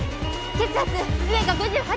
血圧上が５８！